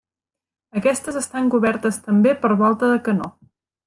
Aquestes estan cobertes també per volta de canó.